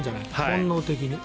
本能的に。